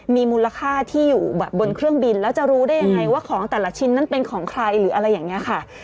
มีมูลค่าที่อยู่แบบบนเครื่องบินแล้วจะรู้ได้ยังไงว่าของแต่ละชิ้นนั้นเป็นของใครหรืออะไรอย่างนี้ค่ะ